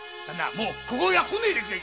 もうここには来ないでくれ！